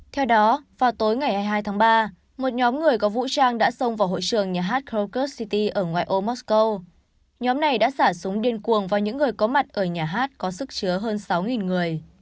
theo đó vào tối ngày hai mươi hai tháng ba một nhóm người có vũ trang đã xông vào hội trường nhà hát krokus city ở ngoại ô mosco nhóm này đã xả súng điên cuồng vào những người có mặt ở nhà hát có sức chứa hơn sáu người